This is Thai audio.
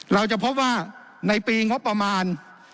เราจะพบว่าในปีงบประมาณ